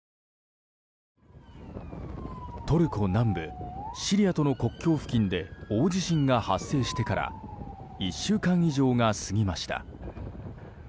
トルコ南部シリアとの国境付近で大地震が発生してから１週間以上が過ぎました。